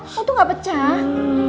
mau tuh gak pecah